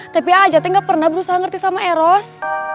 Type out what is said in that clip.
tapi a a j a t gak pernah berusaha ngerti sama eros